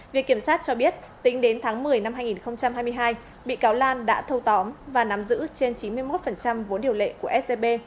viện kiểm sát cho biết tính đến tháng một mươi năm hai nghìn hai mươi hai bị cáo lan đã thâu tóm và nắm giữ trên chín mươi một vốn điều lệ của scb